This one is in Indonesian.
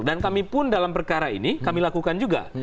walaupun dalam perkara ini kami lakukan juga